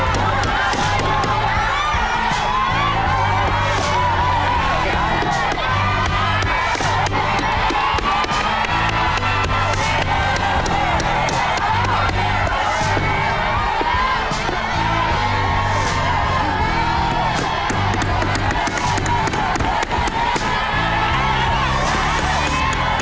ต้องต่อไปหน่อย